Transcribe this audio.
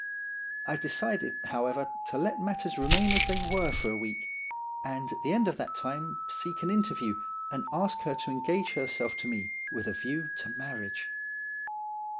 I decided, however, to let matters remain as they were for a week, and at the end of that time seek an interview, and ask her to engage herself to me with a view to marriage.